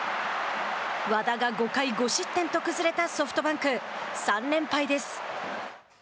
和田が５回５失点と崩れたソフトバンク。３連敗です。